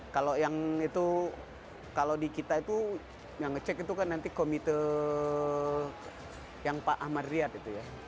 kalau yang itu kalau di kita itu yang ngecek itu kan nanti komite pemilihan